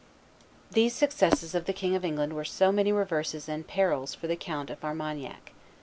These successes of the King of England were so many reverses and perils for the Count of Armagnac.